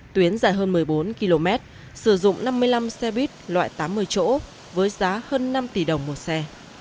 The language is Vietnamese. tuyến dài hơn một mươi bốn km sử dụng năm mươi năm xe buýt loại tám mươi chỗ với giá hơn năm tỷ đồng một xe